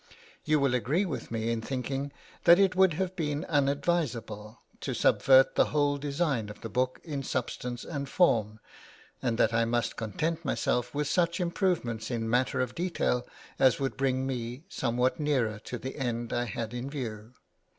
You will agree with me in thinking that it would have been unadvisable to subvert the whole design of the book in substance and form, and that I must content myself with such improvements in matters of detail as would bring me {LIFE OF MOZART,} (xxvi) somewhat nearer to the end I had in view.